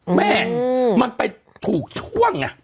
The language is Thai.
เหมือนมันไปถูกช่วง